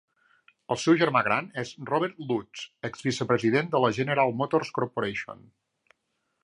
El seu germà gran és Robert Lutz, ex-vicepresident de la General Motors Corporation.